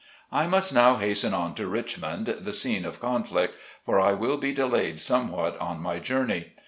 I must now hasten on to Richmond, the scene of conflict, for I will be delayed somewhat on my journey.